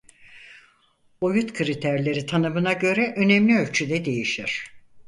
Boyut kriterleri tanımına göre önemli ölçüde değişir.